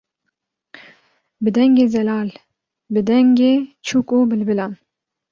bi dengê zelal, bi dengê çûk û bilbilan